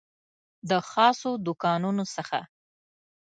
د خاصو دوکانونو څخه